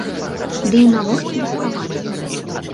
Ды і навошта даставаць?